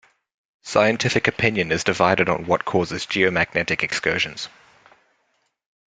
Scientific opinion is divided on what causes geomagnetic excursions.